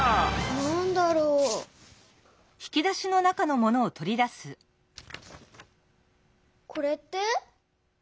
なんだろう？これって？